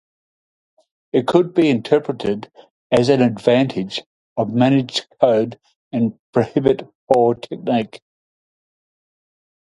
It could be interpreted as an advantage of managed code to prohibit poor technique.